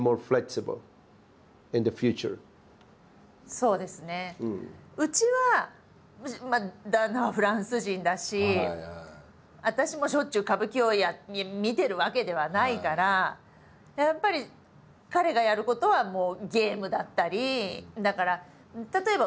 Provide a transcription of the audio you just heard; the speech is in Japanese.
そうですねうちはまあ旦那はフランス人だし私もしょっちゅう歌舞伎を見てるわけではないからやっぱり彼がやることはゲームだったり。